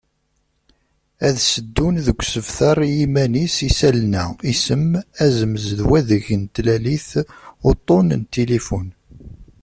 Ad sseddun deg usebter i yiman-is isallen-a: Isem, azemz d wadeg n tlalit, uṭṭun n tilifun.